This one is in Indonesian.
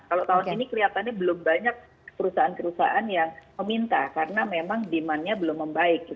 kalau tahun ini kelihatannya belum banyak perusahaan perusahaan yang meminta karena memang demandnya belum membaik